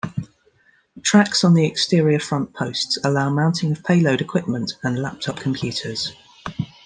Tracks on the exterior front posts allow mounting of payload equipment and laptop computers.